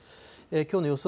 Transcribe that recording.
きょうの予想